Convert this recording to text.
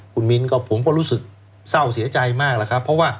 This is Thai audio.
ผมก็รู้สึกเช่าเสียใจมาก